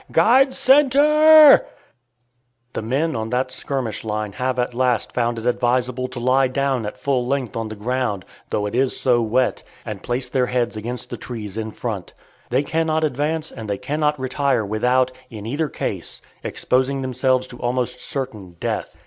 guide c e n t r r r r e!" The men on that skirmish line have at last found it advisable to lie down at full length on the ground, though it is so wet, and place their heads against the trees in front. They cannot advance and they cannot retire without, in either case, exposing themselves to almost certain death.